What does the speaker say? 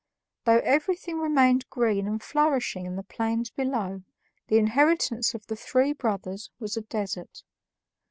Though everything remained green and flourishing in the plains below, the inheritance of the three brothers was a desert.